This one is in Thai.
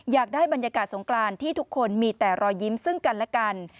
อยากได้บรรยากาศสงกรานที่ทุกคนมีแต่รอยยิ้มซึ่งกันและกัน